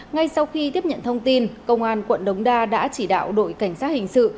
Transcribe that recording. ngay sau khi tiếp nhận thông tin công an quận đống đa đã chỉ đạo đội cảnh sát hình sự